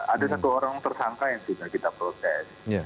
ada satu orang tersangka yang sudah kita proses